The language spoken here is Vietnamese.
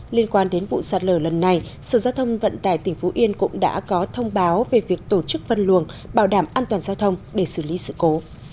liên quan đến vụ sạt lở lần này sở giao thông vận tải tỉnh phú yên cũng đã có thông báo về việc tổ chức văn luồng bảo đảm an toàn giao thông để xử lý sự cố